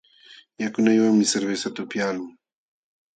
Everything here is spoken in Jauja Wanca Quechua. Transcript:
Yakunaywanmi cervezata upyaqlun.